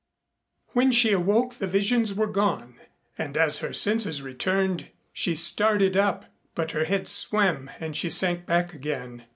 When she awoke the visions were gone, and as her senses returned she started up, but her head swam and she sank back again.